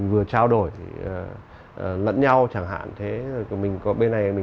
với các nghệ sĩ ở việt nam